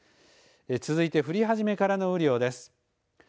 続いて降り始めからの雨量です。